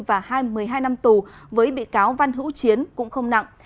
và hai mươi hai năm tù với bị cáo văn hữu chiến cũng không nặng